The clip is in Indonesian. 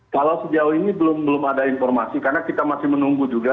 kalau sejauh ini belum ada informasi karena kita masih menunggu juga